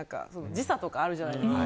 時差とかあるじゃないですか。